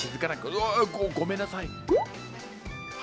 うわごごめんなさい。